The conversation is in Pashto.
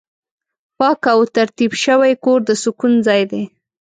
پاک او ترتیب شوی کور د سکون ځای دی.